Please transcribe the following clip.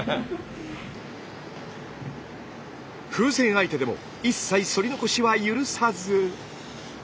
風船相手でも一切そり残しは許さず。